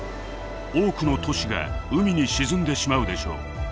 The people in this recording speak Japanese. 多くの都市が海に沈んでしまうでしょう。